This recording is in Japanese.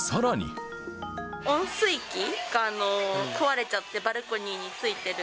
温水器が壊れちゃって、バルコニーについてる。